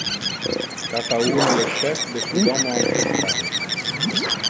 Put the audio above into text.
Cata uno le chef de su domo ancestral.